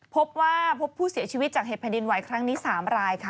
พบว่าพบผู้เสียชีวิตจากเห็ดพนินวัยครั้งนี้๓รายค่ะ